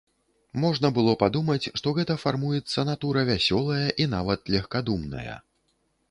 Можна было падумаць, што гэта фармуецца натура вясёлая і нават легкадумная.